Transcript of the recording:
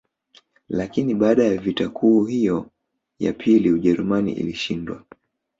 Lakini baada ya vita kuu hiyo ya pili Ujerumani ilishindwa